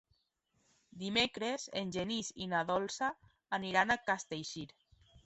Dimecres en Genís i na Dolça aniran a Castellcir.